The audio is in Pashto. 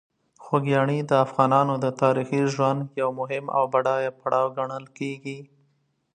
خوږیاڼي د افغانانو د تاریخي ژوند یو مهم او بډایه پړاو ګڼل کېږي.